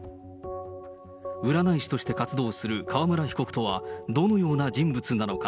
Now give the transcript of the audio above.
占い師として活動する川村被告とは、どのような人物なのか。